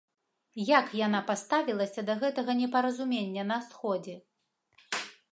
Як яна паставілася да гэтага непаразумення на сходзе?